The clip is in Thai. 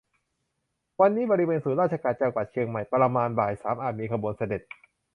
วันนี้บริเวณศูนย์ราชการจังหวัดเชียงใหม่ประมาณบ่ายสามอาจมี ขบวนเสด็จ